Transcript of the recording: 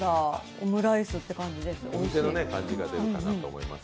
オムライスって感じです。